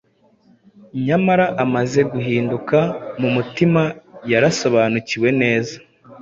Nyamara amaze guhinduka mu mutima yarasobanukiwe neza